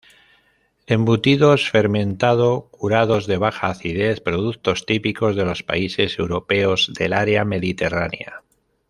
Embutidos fermentado-curados de baja acidez, productos típicos de los países europeos del área mediterránea.